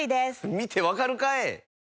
見て分かるかい！